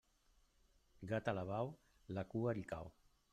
Gat alabau, la cua li cau.